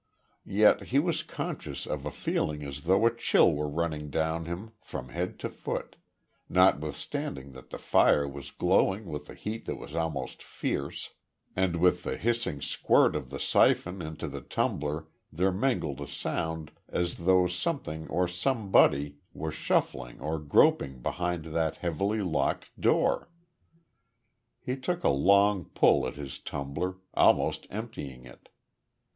Yet he was conscious of a feeling as though a chill were running down him from head to foot, notwithstanding that the fire was glowing with a heat that was almost fierce; and with the hissing squirt of the syphon into the tumbler there mingled a sound as though something or somebody were shuffling or groping behind that heavily locked door. He took a long pull at his tumbler, almost emptying it.